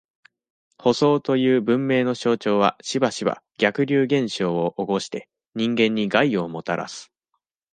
舗装という文明の象徴は、しばしば、逆流現象を起こして、人間に害をもたらす。